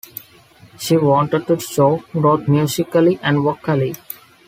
She wanted to show growth musically and vocally.